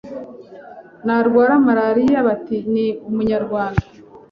narwara malariya bati ni Umunyarwanda,